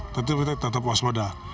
tapi kita tetap waspada